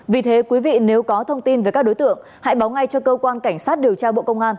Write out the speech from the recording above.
vì thế quý vị nếu có thông tin về các đối tượng hãy báo ngay cho cơ quan cảnh sát điều tra bộ công an